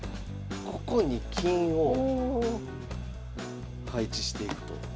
ここに金を配置していこう。